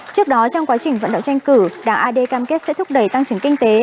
trước đó trong quá trình vận động tranh cử đảng ad cam kết sẽ thúc đẩy tăng trưởng kinh tế